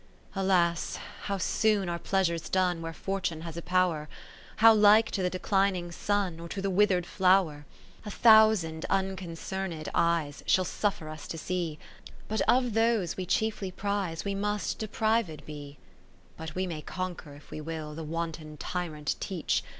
II Alas ! how soon are Pleasures done Where Fortune has a power ! How like to the decUning Sun, Or to the wither'd flower ! Ill A thousand unconcerned eyes She'll suffer us to see, But of those ^ we chiefly prize. We must deprived be. IV But we may conquer if we will. The wanton Tyrant teach.